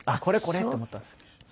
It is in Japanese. これこれと思ったんです。